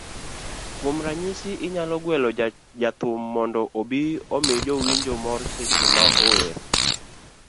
Kuom ranyisi, inyalo gwelo jathum mondo obi omi jowinjo mor seche ma ower